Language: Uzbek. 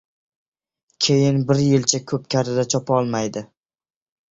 Keyin, bir yilcha ko‘pkarida chopolmaydi.